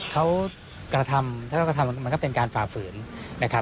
เขากระทำถ้าเขากระทำมันก็เป็นการฝ่าฝืนนะครับ